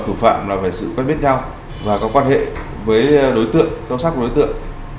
giữa nạn nhân và thủ phạm là về sự quen biết nhau và có quan hệ với đối tượng trong xác của đối tượng